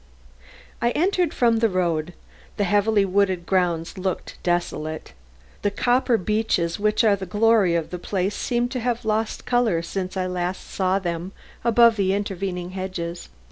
I entered from the road. The heavily wooded grounds looked desolate. The copper beeches which are the glory of the place seemed to have lost color since I last saw them above the intervening hedges.